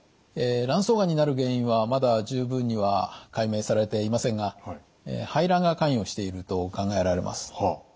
卵巣がんになる原因はまだ十分には解明されていませんが排卵が関与していると考えられます。